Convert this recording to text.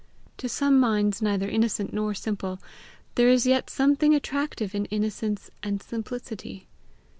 To some minds neither innocent nor simple, there is yet something attractive in innocence and simplicity.